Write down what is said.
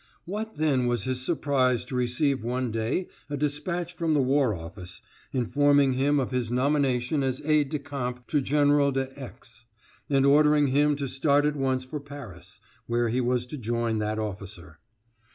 What then was his surprise to receive one day a despatch from the War Office, informing him of his nomination as aide de camp to General de X. and ordering him to start at once for Paris, where he was to join that officer.